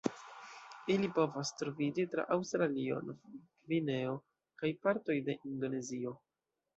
Ili povas troviĝi tra Aŭstralio, Novgvineo, kaj partoj de Indonezio.